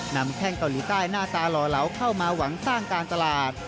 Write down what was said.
แข้งเกาหลีใต้หน้าตาหล่อเหลาเข้ามาหวังสร้างการตลาด